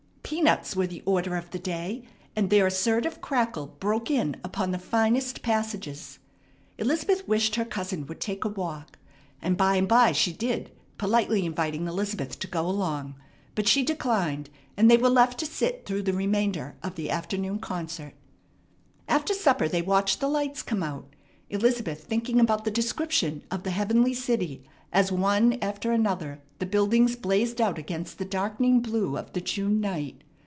Peanuts were the order of the day, and their assertive crackle broke in upon the finest passages. Elizabeth wished her cousin would take a walk; and by and by she did, politely inviting Elizabeth to go along; but she declined, and they were left to sit through the remainder of the afternoon concert. After supper they watched the lights come out, Elizabeth thinking about the description of the heavenly city as one after another the buildings blazed out against the darkening blue of the June night.